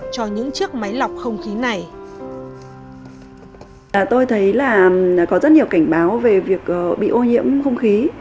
tôi thấy là có rất nhiều cảnh báo về việc bị ô nhiễm không khí